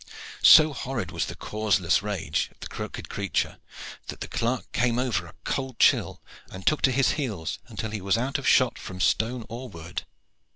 So horrid was the causeless rage of the crooked creature, that the clerk came over a cold thrill, and took to his heels until he was out of shot from stone or word.